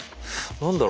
何だろう